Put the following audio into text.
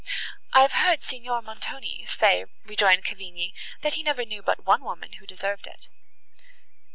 "I have heard Signor Montoni say," rejoined Cavigni, "that he never knew but one woman who deserved it."